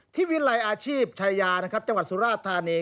ที่วิลัยอาชีพชายาจังหวัดสุราษฎร์ธานี